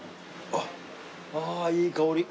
あっああいい香り。